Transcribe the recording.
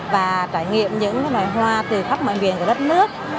và trải nghiệm những loài hoa từ khắp mọi miền của đất nước